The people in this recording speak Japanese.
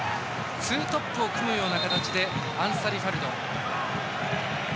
ツートップを組むような形でアンサリファルド。